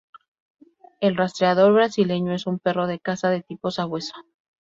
El rastreador brasileño es un perro de caza de tipo sabueso.